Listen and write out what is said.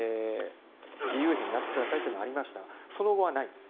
義勇兵になってくださいというのはありましたがその後はないんです。